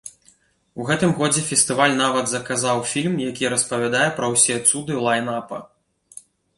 У гэтым годзе фестываль нават заказаў фільм, які распавядае пра ўсе цуды лайн-апа.